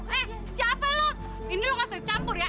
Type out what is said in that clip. eh siapa lo ini lu langsung campur ya